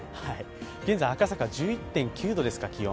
現在、赤坂、気温は１１．９度です。